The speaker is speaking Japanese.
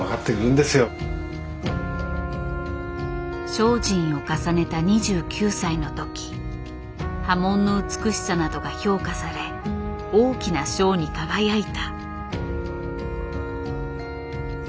精進を重ねた２９歳の時刃文の美しさなどが評価され大きな賞に輝いた。